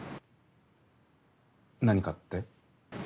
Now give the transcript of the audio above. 何かって？